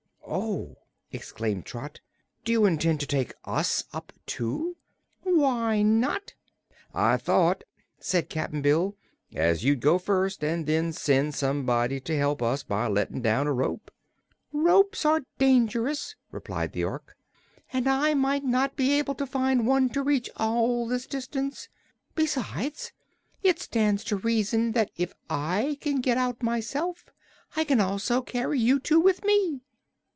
"Oh!" exclaimed Trot; "do you intend to take us up, too?" "Why not?" "I thought," said Cap'n Bill, "as you'd go first, an' then send somebody to help us by lettin' down a rope." "Ropes are dangerous," replied the Ork, "and I might not be able to find one to reach all this distance. Besides, it stands to reason that if I can get out myself I can also carry you two with me."